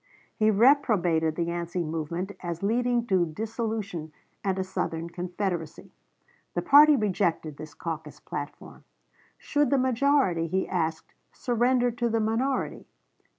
He reprobated the Yancey movement as leading to dissolution and a Southern confederacy. The party rejected this caucus platform. Should the majority, he asked, surrender to the minority?